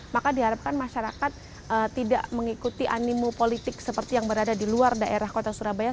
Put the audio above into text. maka diharapkan masyarakat tidak mengikuti animo politik seperti yang berada di luar daerah kota surabaya